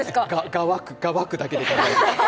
「がわく」だけで考えた。